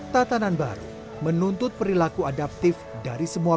dan benar benarnya manakala tidak ada peb hydration yang losing